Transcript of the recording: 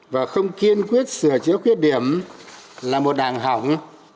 và không kiên quyết sửa chữa khuyết điểm là một đảng hỏng